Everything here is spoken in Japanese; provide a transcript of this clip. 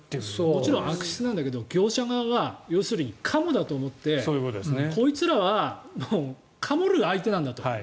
もちろん悪質なんだけど業者側が要するにカモだと思ってこいつらはもうカモる相手なんだと。